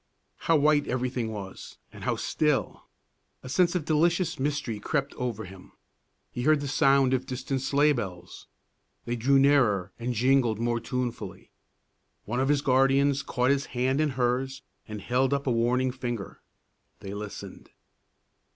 How white everything was and how still! A sense of delicious mystery crept over him. He heard the sound of distant sleigh bells. They drew nearer and jingled more tunefully. One of his guardians caught his hand in hers and held up a warning finger. They listened.